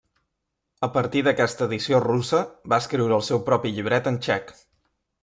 A partir d'aquesta edició russa va escriure el seu propi llibret en txec.